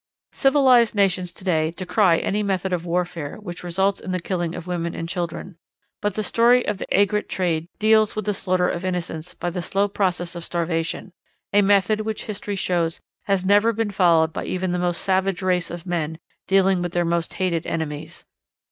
Civilized nations to day decry any method of warfare which results in the killing of women and children, but the story of the aigrette trade deals with the slaughter of innocents by the slow process of starvation, a method which history shows has never been followed by even the most savage race of men dealing with their most hated enemies.